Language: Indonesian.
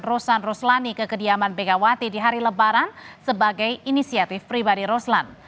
rosan roslani ke kediaman megawati di hari lebaran sebagai inisiatif pribadi roslan